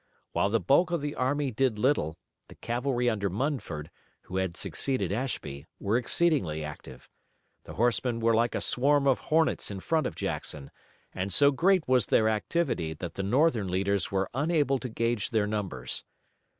While the bulk of the army did little, the cavalry under Munford, who had succeeded Ashby, were exceedingly active. The horsemen were like a swarm of hornets in front of Jackson, and so great was their activity that the Northern leaders were unable to gauge their numbers.